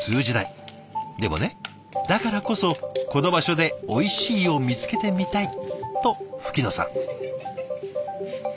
でもねだからこそこの場所で「おいしい」を見つけてみたいと吹野さん。